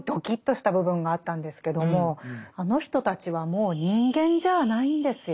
「あの人たちはもう人間じゃあないんですよ。